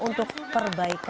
untuk perbaikan kpk